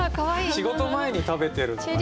仕事前に食べてるのかなとか。